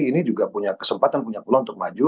ini juga punya kesempatan punya peluang untuk maju